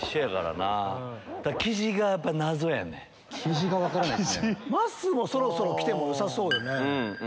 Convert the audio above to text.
まっすーもそろそろ来てもよさそうよね。